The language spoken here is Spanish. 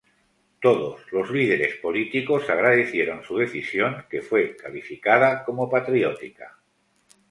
Todos los líderes políticos agradecieron su decisión que fue calificada como "patriótica".